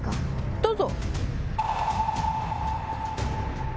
どうぞ。